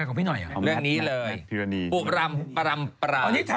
คือนิชา